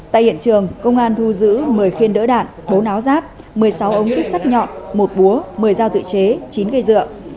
tại hiện trường công an thu giữ một mươi khiên đỡ đạn bốn áo giáp một mươi sáu ống tích sắt nhọn một búa một mươi dao tự chế chín cây dựa